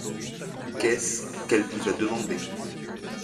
Qu'est-ce qu'elle vous a demandé ?